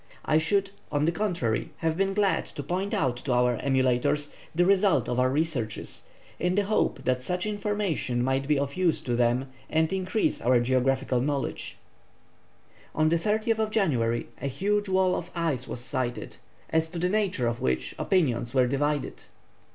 I should, on the contrary, have been glad to point out to our emulators the result of our researches, in the hope that such information might be of use to them and increase our geographical knowledge." On the 30th January a huge wall of ice was sighted, as to the nature of which opinions were divided.